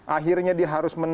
akhirnya dia harus menjualnya